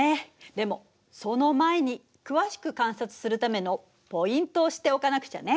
でもその前に詳しく観察するためのポイントを知っておかなくちゃね。